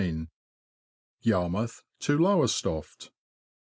YARMOUTH TO LOWESTOFT.